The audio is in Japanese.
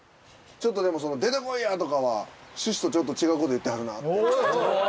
ちょっとでも「出てこいや」とかは趣旨と違うこと言ってはるなって。